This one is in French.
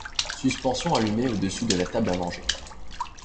Suspension allumée au-dessus de la table à manger.